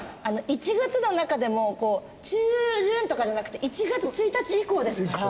１月の中でも中旬とかじゃなくて１月１日以降ですから。